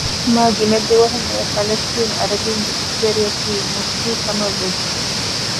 މާގިނަ ދުވަހެއް ނުވެ ފަލަސްޠީނު އަރަބީންގެ އިސްވެރިއަކީ މުފްތީކަމަށް ވެއްޖެ